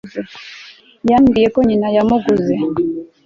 Yambwiye ko nyina yamuguze